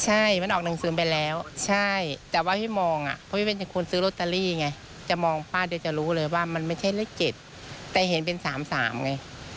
ใช่มันออกหนังสือไปแล้วใช่แต่ว่าพี่มองอ่ะเพราะพี่เป็นคนซื้อลอตเตอรี่ไงจะมองป้าเดี๋ยวจะรู้เลยว่ามันไม่ใช่เลข๗แต่เห็นเป็น๓๓ไง